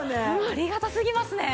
ありがたすぎますね。